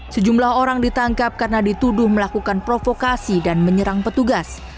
sejumlah orang ditangkap karena dituduh melakukan provokasi dan menyerang petugas